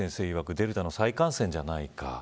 いわくデルタの再感染じゃないか。